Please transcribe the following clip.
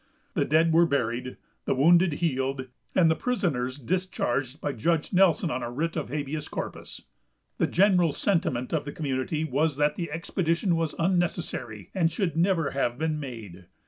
The dead were buried, the wounded healed, and the prisoners discharged by Judge Nelson on a writ of habeas corpus. The general sentiment of the community was that the expedition was unnecessary, and should never have been made.